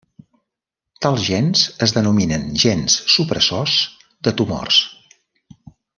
Tals gens es denominen gens supressors de tumors.